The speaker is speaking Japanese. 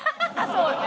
そうね。